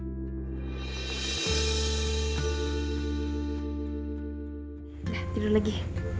udah tidur lagi